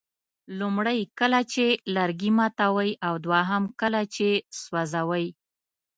لومړی کله چې لرګي ماتوئ او دوهم کله چې سوځوئ.